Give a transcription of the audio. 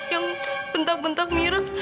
yang bentak bentak mira